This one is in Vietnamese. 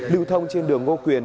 lưu thông trên đường ngô quyền